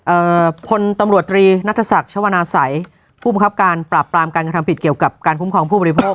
เอ่อพลตำรวจตรีนัทศักดิ์ชวนาศัยผู้บังคับการปราบปรามการกระทำผิดเกี่ยวกับการคุ้มครองผู้บริโภค